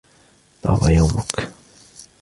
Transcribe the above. طاب يومك.